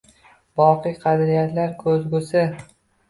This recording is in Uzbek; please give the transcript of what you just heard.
Boqiy qadriyatlar ko‘zgusi